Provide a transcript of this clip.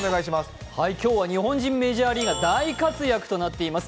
今日は、日本人メジャーリーガー大活躍となっています。